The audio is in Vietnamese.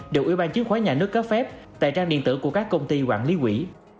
được ủy ban chứng khoán nhà nước cấp phép tại trang điện tử của các công ty quản lý quỹ